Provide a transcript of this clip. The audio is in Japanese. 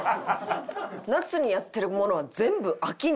夏にやってるものは。